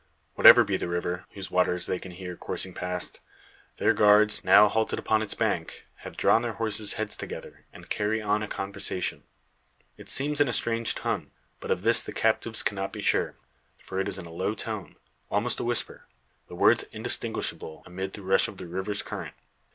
Whatever be the river whose waters they can hear coursing past, their guards, now halted upon its bank, have drawn their horses' heads together, and carry on a conversation. It seems in a strange tongue; but of this the captives cannot be sure, for it is in low tone almost a whisper the words indistinguishable amid the rush of the river's current.